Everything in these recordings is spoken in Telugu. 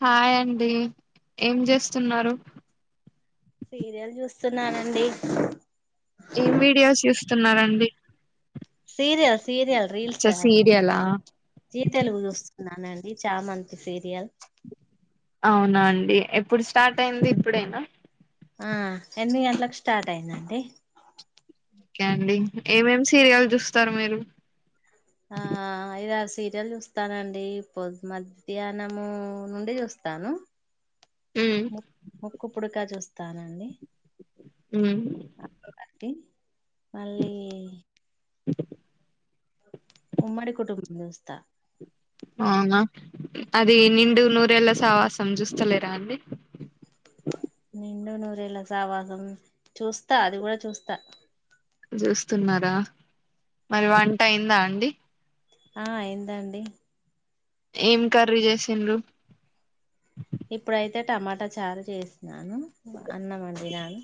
హాయ్ అండి ఏం జెస్తున్నారు సీరియల్ చూస్తున్నానండి ఎం వీడియోస్ చూస్తున్నారండి సీరియల్ సీరియల్ రీల్స్ అచ్చా కాదు సీరియలా జీ తెలుగు చూస్ న్నానండి చామంతి సీరియల్ అవునా అండి ఎప్పుడు స్టార్ట్ అయింది ఇప్పుడెనా ఆ ఎనిమిది గంటలకు స్టార్ట్ అయిందండి ఓకే అండి ఏమేమి సీరియల్ జుస్తారు మీరు ఆ ఐద ఆర్ సీరియల్ చూస్తానండి పొద్ మధ్యాహ్నము నుండి చూస్ స్తాను ఉమ్ ముక్ ముక్కు పుడుకా చూస్తానండి మ్ టి మళ్ళీ ఉమ్మడి కుటుంబం చూస్తా అవునా అది నిండు నూరేళ్ళ సావాసం చూస్తలేరా అండి నిండు నూరేళ్ళ సావాసం చూస్తా అది కూడా చూస్తా చూస్తున్నారా మరి వంట అయిందా అండి ఆ అయిందండి ఏం కర్రీ చేసిండ్రు ఇప్పుడైతే టమాటా చారు చేసినాను అన్నావండి నాను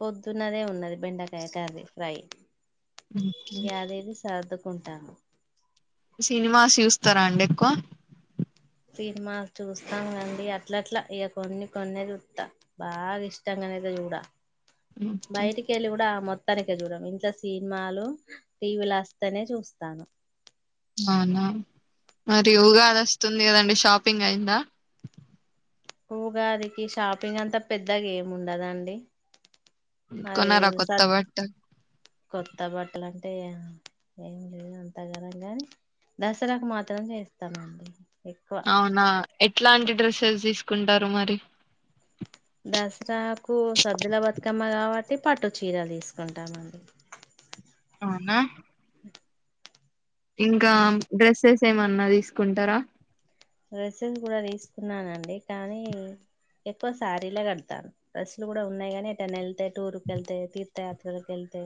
పొద్దున్నదే ఉన్నది బెండకాయ కర్రి ఫ్రై ఓకే. ఇగ అది ఇది సర్దుకుంటాము సినిమాస్ చూస్తారా అండి ఎక్కువ సినిమా చూస్తాం కండి అట్లట్లట్ల ఇగ కొన్ని కొన్ని చూత్త బాగా ఇష్టంగ నైతే చూడ ఓకే, బయటికెళ్ళి గూడ మొ మొత్తనికే చూడము ఇంట్ల సినిమాలు టీవీలో వస్తేనే చూస్తాను అవునా మరి ఉగాది వస్తుంది కదండి షాపింగ్ అయిందా ఉగాదికి షాపింగ్ అంతా పెద్దగ ఏం ఉండదండి అది కొన్నారా కొత్త సద్ బట్టలు కొత్త బట్టలు అంట్ టే ఏం లేదు అంతగానమ్ గాని దసరాకు మాత్రం చేస్తామండి ఎక్కువ అవునా ఎట్లాంటి డ్రెస్సెస్ తీసుకుంటారు మరి దసరాకు సద్దుల బతుకమ్మ కాబట్టి పట్టు చీరలు తీసుకుంటామండి అవునా ఇంకా అవును డ్రెస్సెస్ ఏమన్నా తీసుకుంటారా డ్రెసెస్ గుడా తీసుకున్నానండి కానీ ఎక్కువ శారీలె కడుతాను డ్రెస్సులు గుడా ఉన్నాయి గానీ ఎటైనే వెళ్తే టూర్కి వెళ్తే తీర్థయాత్రలకెళ్తే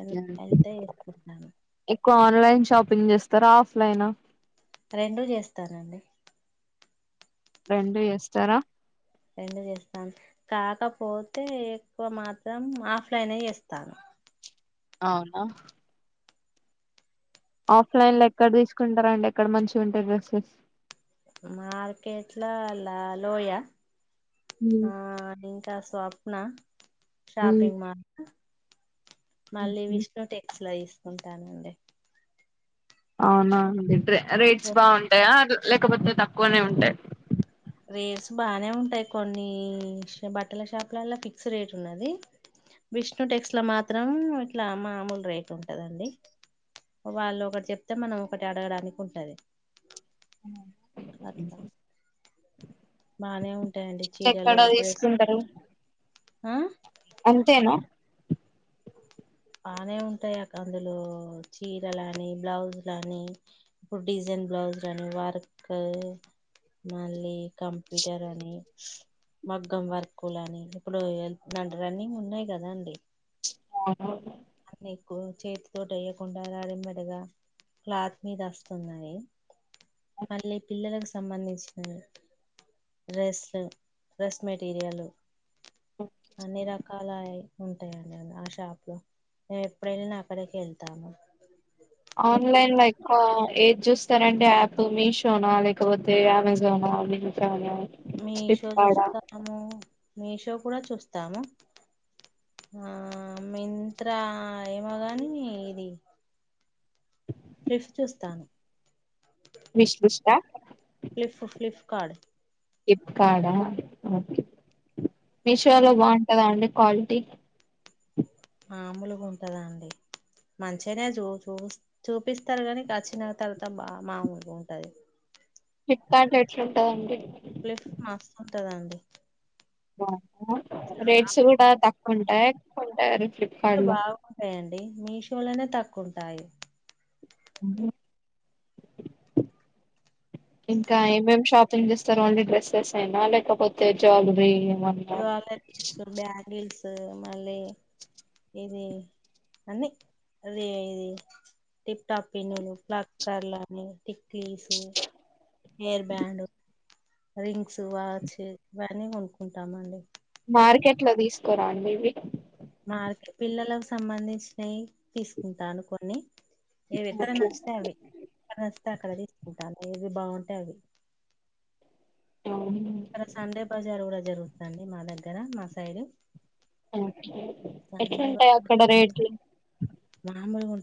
ఎల్ ఏళ్తే ఏసుకుంటాను క్కువ ఆన్లైన్ షాపింగ్ చేస్తారా ఆఫ్లైనా రెండు చేస్తానండి రెండు జెస్తారా రెండు చేస్తాను కాకపోతే ఎక్కువ మాత్రం ఆఫ్లైన్ చేస్తాను అవునా ఆఫ్లైన్ లో ఎక్కడ తీసుకుంటారండి ఎక్కడ మంచిగుంటాయి డ్రెస్సెస్ మార్కెట్ల లలోయ ఉమ్, ఆ ఇంకా స్వప్న ఉమ్, షాపింగ్ మాల్ మళ్ళీ ఓకే. విష్ణు టెక్స్ లా తీసుకుంటానండి అవునా అండి రే రేట్స్ బాగుంటాయా అట్ల లేకపోతే తక్కువనే ఉంటా రేట్స్ బానే ఉంటాయ్ కొన్ని ష్ బట్టల షాపులల్ల ఫిక్స్ రేట్ ఉన్నది విష్ణు టెక్స్ట్ ల మాత్రం ఇట్లా మామూలు రేట్ ఉంటదండి వాళ్ళు ఒకటి చెప్తే మనం ఒకటి అడగడానికి ఉంటది అట్ల బానే ఉంటాయండి ఇంకెక్కడ చీరలు డ్రెస్ ఆ అంతేన బానే ఉంటాయి అక్క అందులో చీరలాని బ్లౌజ్లాని ఇప్పుడు డిజైన్ బ్లౌజ్ లాని వర్క్ మళ్ళీ కంప్యూటర్ అని మగ్గం వర్కులుని ఇప్పుడు ద రన్నింగ్ ఉన్నాయి కదా అండి అహ అన్న ఎక్కువ చేతితోటి వెయ్యకుండా రెడీ మేడ్ గా క్లాత్ మీద వస్తునాయి అని మళ్ళీ పిల్లలకు సంబంధించినది డ్రెస్లు, డ్రెస్ మెటీరియల్ అన్ని రకాలఆయె ఉంటాయండి అంద్ ఆ షాప్ లో మేము ఎప్పుడేల్లినా అక్కడికె వెళ్తాము ఆన్లైన్ లా ఎక్కువా ఏది చూస్తారండి యాప్ మీషోనా లేకపోతే అమెజానా మిత్ర నా మీషో చూస్తాము మీషో కూడా చూస్తాము ఆ మింత్రా ఏమోగాని ఇది ఫ్లిప్ చుస్తాను విష్ లిస్ట్ అ కాడ్ ఫ్లిపకార్డు ఆ ఓకే మీషోలో బాగుంటదా అండి క్వాలిటీ మాముూలుగా ఉంటందా అండి మంచిగనే చూ చూ చూపిస్తారు కానీ, కచ్చిన తర్వాత బా మామలుగా ఉంటది ఫ్లిప్కార్ట్ లా ఎట్లా ఉంటదండి ప్లస్ మస్తుంటదండి వహ రేట్స్ కూడా తక్కువ ఉంటాయి ఎక్కువుంటాయి అని రేట్లు బాగుంటాయండి మీషోలోనే తక్కువ ఉంటాయి ఇంకా ఏమేమ్ షాపింగ్ చేస్తారు ఓన్లీ డ్రెస్సెస్ ఎనా లేకపోతే జ్యువలరీ జ్వాలరిస్, బ్యాంగిల్స్ మళ్ళి ఇది అన్ని అదే ఇది టిప్ టాప్ పిన్నులు, ప్లక్ ర్లలాని, తిక్లీసు హెయిర్ బ్యాండ్, రింగ్స్, వాచ్ ఇవన్నీ కొనుకుంటామ అండి మార్కెట్ లో తీసుకొరా అండి ఇవి మార్క పిల్లలకు సంబంధించినయి తీసుకుంటాను కొన్ని ఏవి ఎక్కడ అట్లా నచ్చితే అవి త అక్కడ తీసుకుంటాను ఏవి బాగుంటే అవి అవును ఇక్కడ సండే బజారు కూడా జరుగుతాంది మా దగ్గర మా సైడ్ ఎట్లా సండే ఉంటాయి బజార్ అక్కడ రేట్లు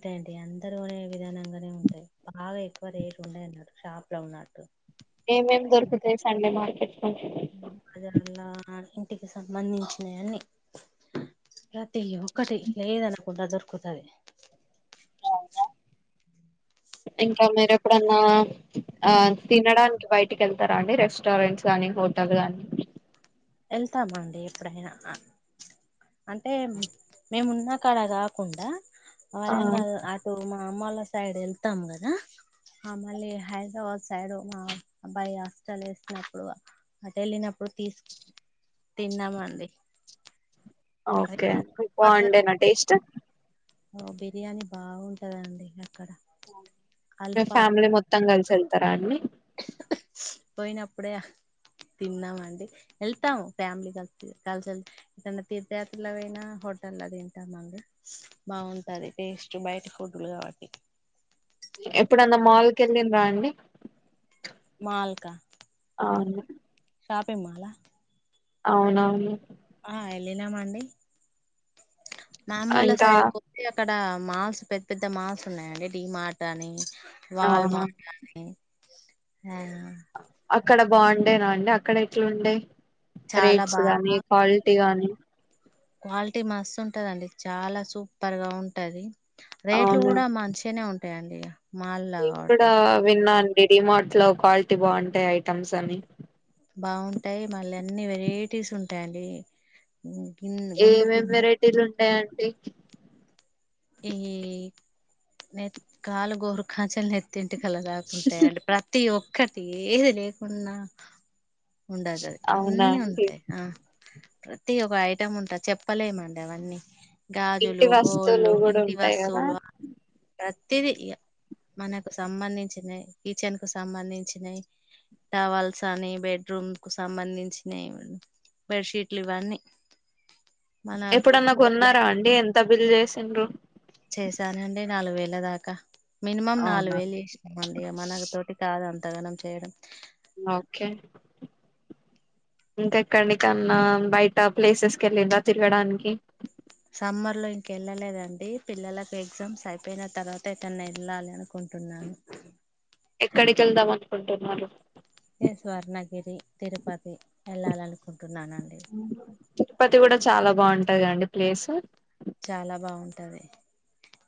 తెండి అందరు గోనే విధానంగానే ఉంటాయి బాగా ఎక్కువ రేట్ ఉండయి అన్నరు షాప్ లో ఉన్నట్టు ఏమేమ్ దొరుకుతాయి సండే మార్కెట్ లో అది అల్లా ఇంటికి సంబంధించినవన్నీ ప్రతి ఒక్కటి లేదనకుండా దొరుకుతది ఇంకా మీర ఎప్పుడన్నా ఆ తినడానికి బయటికి వెళ్తారా అండి రెస్టారెంట్స్ గాని నే ఫోటగ్రాని ఏళ్తామండి ఎప్పుడైనా అంటే మేమ్ ఉన్నా కాడ కాకుండా ఆ వరంగల్ అటు మా మా అమ్మళ సైడ్ ఏళ్తామ్ కదా ఆ మళ్ళీ హైదరాబాద్ సైడ్ మా అబ్బాయి హాస్టల్ ఏసినప్పుడు అట్ ఏళ్ళినప్పుడు తీస్క్ తిన్నామండి అది ఓకే మీక్ బావుండే నా టేస్ట్ ఓ బిర్యానీ బావుంటదండి ఇగ మీ ఫ్యామిలీ మొత్తం కల్సి ఏళ్తారా అండి పోయినప్పుడే తిన్నాం అండి ఏళ్తాము ఫ్యామిలీ కలిసి కలిసి వెళ్త్ ఎటన్న తీర్థ యాత్రలకు పోయిన హోటల దింటామండి బాగుంటది టేస్ట్ బయటి ఫుడ్లు కాబట్టి ఎప్పుడన్నా మాల్ కెళ్ళిండ్రా అండి మాల్కా అన్నే షాపిింగ్ మాల్ ఆ అవున్నావను ఆ ఏళ్ళినాం అండి నా అమ్మోలా ఇంకా సైడ్కి ఒప్పి అక్కడ మాస్ పెద్ద్ పెద్ద మాస్ ఉన్నాయాండి డి మార్ట్ అని వాల్ అవును మార్ట్ అని ఉమ్ అక్కడ బావుండేనా అండి అక్కడ ఎట్లుండే చాలా రేట్స్ గాని క్వాల్టీ గాని క్వాల్టీ మస్తు ఉంటదండి చాలా సూపర్ గా ఉంటది రేట్లు కూడా మంచినే ఉంటాయి యండి ఇగా నేన్ కూడా విన్నా అండి డిమార్ట్ లో క్వాల్టీ బావుంటాయి ఐటమ్స్ అని బావుటాయి మళ్ళీ అన్ని వెరైటీస్ ఉంటాయి అండి ఏమేం వెరైటీలు ఉంటాయి అండి ఈ నెత్ కాలు గోరు కాంచల్ నెత్తి న్ టికల దాకుంటయి అండి ప్రతి ఒక్కటి ఏది లేకున్నా ఉండద్ దాది అవునా అన్నీ అండి ఉంటాయి ఆ ప్రతి ఒక ఐటం ఉంటాద్ చెప్పలేమ్మండి అవన్నీ ఇంటి గాజులు వస్తువులు గోళ్లు కూడా ఇంటి ఉంటాయి కదా వస్తువులు ప్రత్తిది ఇగ మనకు సంబంధించినాయి కిచెన్కు సంబంధించినాయి టవల్స అని బెడ్రూమ్ కు సంబంధించినేయ్ బెడ్షీట్లు ఇవన్నీ మనకు ఎప్పుడన్నా కొన్నారా అండి ఎంత బిల్ చేసిండ్రు చేశానండి నాలుగు వేల దాకా మినిమం నాలుగు అవునా వేలు చేస్నమ్మండి ఇగా మన తోటి కాదు అంతగానం చేయడం ఇంకా ఎక్కడికన్న బైట ప్లేసెస్ కి ఏళ్ళిండ్రా తిర్గడానికి సమ్మర్లో ఇంకెళ్ళలేదండి పిల్లలకు ఎగ్జామ్స్ అయిపోయిన తర్వాత ఏట్టన్నా ఏళ్ళాలి అనుకుం టున్నాను ఎక్కడికి వెళ్దాం అనుకుంటున్నారు ఇగ స్వర్ణగిరి తిరుపతి ఏళ్ళాల్నుకుంటున్నానండి తిరుపతి కూడా చాలా తగ అండి ప్లేస్సు చాలా బావుంటది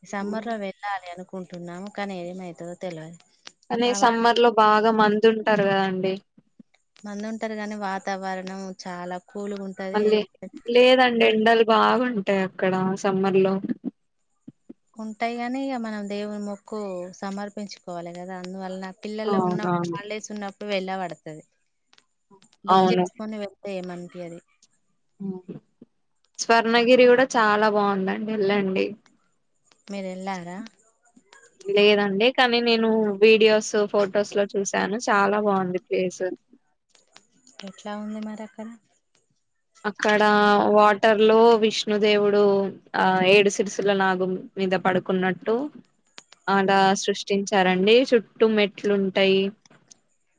ఈ సమ్మర్లో వెళ్ళాలి అనుకు కుంటున్నాము కాని ఎమైతదో తెల్వది కని సమ్మర్ లో బాగా మంది ఉంటారు కదండి మందు ఉంటారు గాని వాతావరణం చాలా కూల్గా ఉంటది మళ్ళీ లేదం ఎండలు బాగుంటాయి అక్కడ సమ్మర్ లో ఉంటాయి కాని ఇగా మనం దేవుని మొక్కు సమర్పించుకోవాలి కదా అందువల్లన పిల్లల ఉన్నప్పు అవునవును హాలిడేస్ ఉన్నప్పుడు వెళ్ళ వడతది. బుక్ చేసుకొని వెళ్తే ఏం అనిపియది స్వర్ణ గిరి కూడా చాలా బాగుంద వెళ్ళండి మీరెళ్ళారా కాని నేను వీడియోస్ ఫొటోస్ లో చూశాను చాలా బాగుంది ప్లేస్ ఎట్ల ఉంది మరి అక్కడ అక్కడ వాటర్ లో విష్ణుదేవుడు ఆ ఏడు సిరుసుల నాగుం మీద పడుకున్నట్టు ఆడ సృష్టించారండీ చుట్టు మెట్లు ఉంటాయి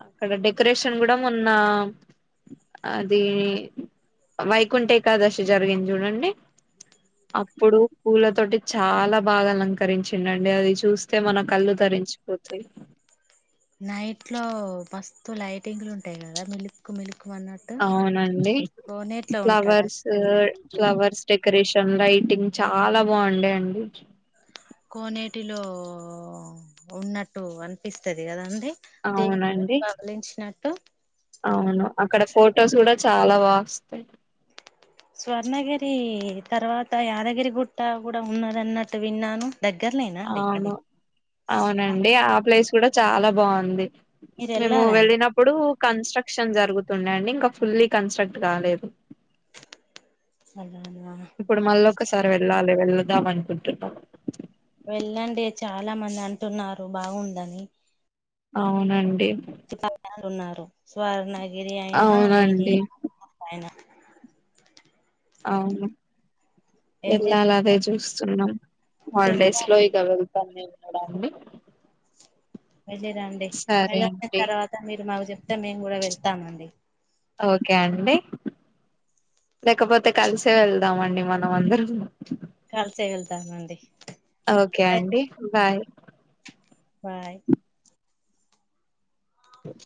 అక్కడ డెకరేషన్ కూడా మొన్న అది వైకుంఠ ఏకాదశి జరిగింది చూడండి అప్పుడు పూల తోటి చాలా బాగా అలంకరించిందరు అది చూస్తే మన కళ్ళు తర విరించిపోతాయి నైట్ లో మస్తు లైటింగ్లు ఉంటాయి కదా మిలుపుకు మిలుపు అవునండి ఉంటాడు ఫ్లవర్స్ అన్నట్టు ఫ్లవర్స్ డెక్ కరేషన్ లైటింగ్ చాలా బాగుండేయండి కోనేటిలో ఉన్నట్టు అనిపిస్తది కదా అండి దే అవునండి బవలించినట్టు అవును అక్కడ ఫొటోస్ కూడా చాలా బా వస్తాయి స్వర్ణగిరీ తర్వాత యాదగిరి గుట్ట కూడా ఉంనాదనట్టు విన్నాను దగ్గరనేనా అండి అది అవును అవునండి ఆ ప్లేస్ కూడా చాలా బాగుంది మీరు మేము వెళ్ళారా అండి వెళ్ళినప్పుడు కన్స్ట్రక్షన్ జరుగుతుందండి ఇంకా ఫుల్లీ కన్స్ట్రక్ట్ కాలేదు అలానా ఇప్పుడు మళ్ళ ఒకసారి వెళ్ళాలి వెళ్ళదాం అనుకుంటున్నాం వెళ్ళండి చాలా మంది అంటున్నారు బాగుందని అవునండి సుట్టళ్లు ఉన్నారు స్వర్ణగిరి అయినా ఇది అవునండి యాదగిరిగుట్ట అయినా అవును ఏం వెళ్లాల అదే చేస్తున్నారు చూస్తున్నాం తింటా హాలిడేస్లో ఇగ వెల్ బానే ఉన్నడాండీ వెళ్ళిరండి వెళ్ళి వచ్చిన తర్వాత మీరు మాకు చెప్తే మేము గూడా వెళ్తాం అండి ఓకే అండి లేకపోతే కలిసే వెల్దామండి మనమందరం కలిసే వెళ్తామండి ఓకే అండి బాయ్ బాయ్ ఉచ్